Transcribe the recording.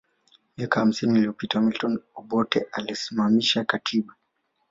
Miaka hamsini liyopita Milton Obote aliisimamisha katiba